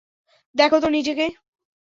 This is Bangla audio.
দ্যাখো তো নিজেকে।